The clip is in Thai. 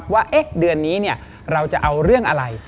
ว่าเดือนนี้เราจะเอาเรื่องอะไร